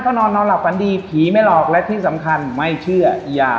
ก็นอนนอนหลับฝันดีผีไม่หลอกและที่สำคัญไม่เชื่ออย่า